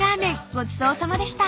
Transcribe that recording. ごちそうさまでした］